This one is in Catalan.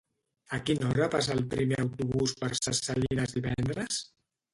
A quina hora passa el primer autobús per Ses Salines divendres?